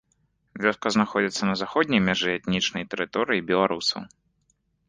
Вёска знаходзіцца на заходняй мяжы этнічнай тэрыторыі беларусаў.